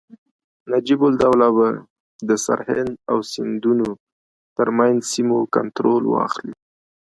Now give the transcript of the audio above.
نجیب الدوله به د سرهند او سیندونو ترمنځ سیمو کنټرول واخلي.